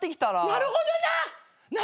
なるほどな！